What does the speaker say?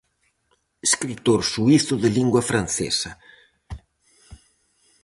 Escritor suízo de lingua francesa.